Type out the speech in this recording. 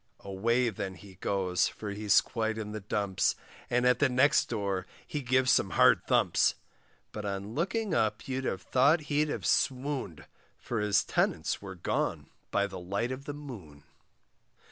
Away then he goes, for he's quite in the dumps, And at the next door he gives some hard thumps; But on looking up you'd have thought he'd have swooned, For his tenants were gone by the light of the moon.